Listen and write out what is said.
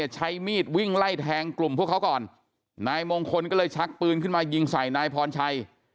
ใช้มีดวิ่งไล่แทงกลุ่มพวกเขาก่อนนายมงคลก็เลยชักปืนขึ้นมายิงใส่นายพรชัย